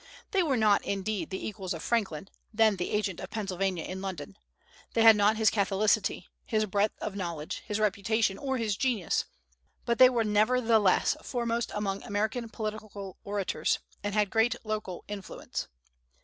They were not, indeed, the equals of Franklin, then the agent of Pennsylvania in London. They had not his catholicity, his breadth of knowledge, his reputation, or his genius; but they were nevertheless foremost among American political orators, and had great local influence.